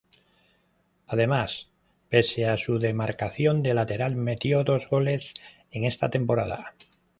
Además pese a su demarcación de lateral metió dos goles en esta temporada.